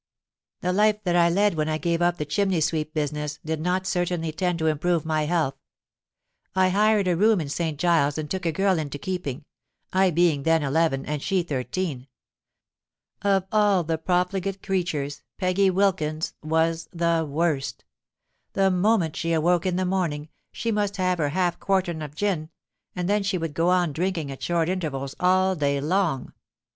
"The life that I led when I gave up the chimney sweep business, did not certainly tend to improve my health. I hired a room in St. Giles's, and took a girl into keeping—I being then eleven, and she thirteen. Of all profligate creatures, Peggy Wilkins was the worst. The moment she awoke in the morning, she must have her half quartern of gin; and then she would go on drinking at short intervals all day long.